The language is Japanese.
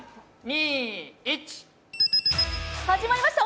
始まりました。